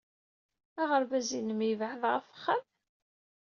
Aɣerbaz-nnem yebɛed ɣef wexxam?